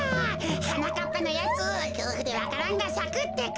はなかっぱのやつきょうふでわか蘭がさくってか。